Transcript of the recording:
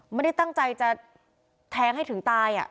ไม่ได้ตั้งใจจะแทงให้ถึงตาย